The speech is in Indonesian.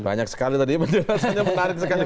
banyak sekali tadi penjelasannya menarik sekali